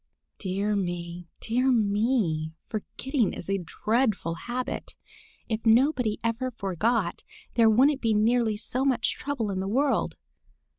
Dear me, dear me! Forgetting is a dreadful habit. If nobody ever forgot, there wouldn't be nearly so much trouble in the world.